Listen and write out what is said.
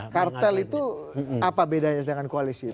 kartel itu apa bedanya dengan koalisi